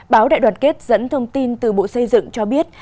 báo đại đoàn kết dẫn thông tin từ bộ xây dựng cho biết